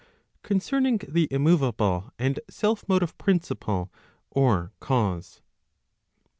Concerning the immoveable and self motive principle , or cause.